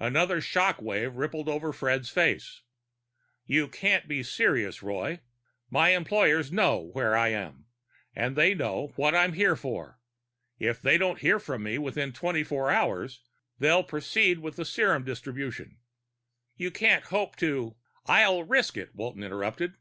Another shock wave rippled over Fred's face. "You can't be serious, Roy. My employers know where I am; they know what I'm here for. If they don't hear from me within twenty four hours, they'll proceed with serum distribution. You can't hope to " "I'll risk it," Walton interrupted.